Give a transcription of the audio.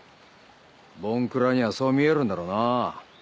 ボンクラにはそう見えるんだろうな。